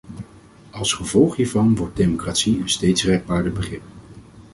Als gevolg hiervan wordt democratie een steeds rekbaarder begrip.